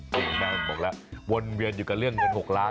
คุณแม่บอกแล้ววนเวียนอยู่กับเรื่องเงิน๖ล้าน